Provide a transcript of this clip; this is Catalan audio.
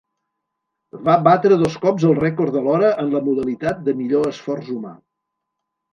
Va batre dos cops el rècord de l'hora en la modalitat de Millor esforç humà.